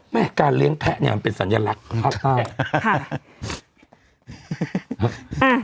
แม่การเลี้ยงแพะเนี่ยมันเป็นสัญลักษณ์ภาคใต้